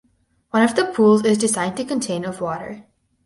One of the pools is designed to contain of water.